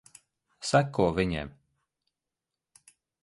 Seko viņiem.